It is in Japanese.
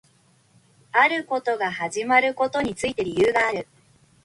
あることが始まることについて理由がある